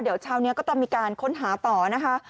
เดี๋ยวเช้านี้ก็ต้องมีการค้นหาต่อนะคะ